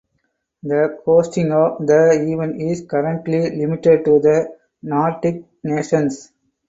The hosting of the event is currently limited to the Nordic nations.